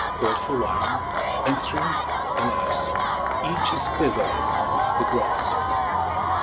Called for wine, and threw — alas! — Each his quiver on the grass.